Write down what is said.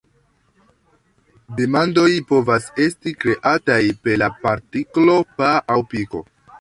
Demandoj povas esti kreataj per la partiklo -"pa" aŭ "piko".